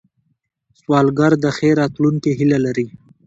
سوالګر د ښې راتلونکې هیله لري